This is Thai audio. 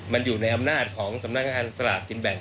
มันอยู่ในอำนาจของสำนักงานสลากกินแบ่ง